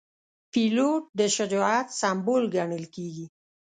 پیلوټ د شجاعت سمبول ګڼل کېږي.